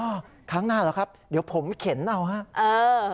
ครั้งหน้าเหรอครับเดี๋ยวผมเข็นเอาฮะเออ